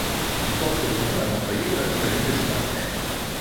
Elle porte le nom d'un employé de la compagnie de chemin de fer.